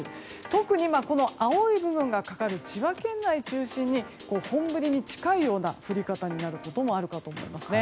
特に、青い部分がかかる千葉県内中心に本降りに近いような降り方になることもあるかと思います。